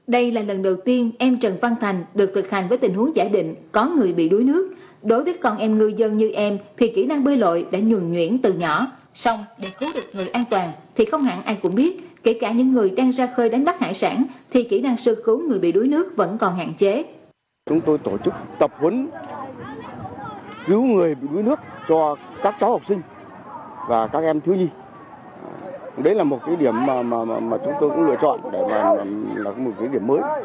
đấy là một cái điểm mà chúng tôi cũng lựa chọn để là một cái điểm mới